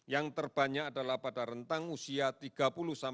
yang terbanyak adalah pada rentang usia tiga puluh lima puluh sembilan tahun